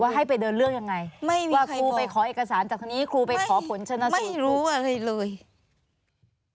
จากนี้ครูไปขอผลชนสูตร